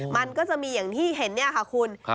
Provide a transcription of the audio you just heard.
มันก็จะมีอย่างที่เห็นเนี่ยค่ะคุณ